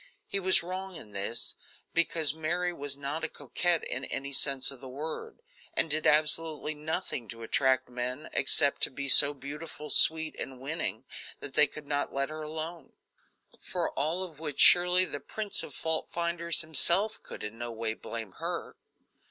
He was wrong in this, because Mary was not a coquette in any sense of the word, and did absolutely nothing to attract men, except to be so beautiful, sweet and winning that they could not let her alone; for all of which surely the prince of fault finders himself could in no way blame her.